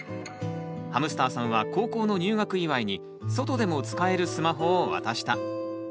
ハムスターさんは高校の入学祝いに外でも使えるスマホを渡した。